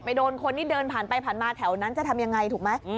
โดนคนที่เดินผ่านไปผ่านมาแถวนั้นจะทำยังไงถูกไหม